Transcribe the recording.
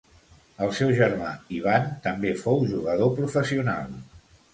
El seu germà Ivan també fou jugador professional.